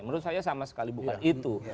menurut saya sama sekali bukan itu